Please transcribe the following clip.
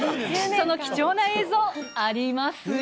その貴重な映像ありますよ。